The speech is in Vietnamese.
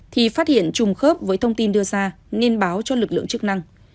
thì phát hiện trùng khớp với thông tin đưa ra nên báo cho lực lượng chức năng